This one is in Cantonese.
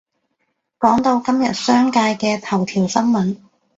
講到今日商界嘅頭條新聞